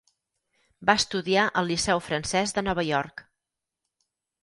Va estudiar al Liceu Francès de Nova York.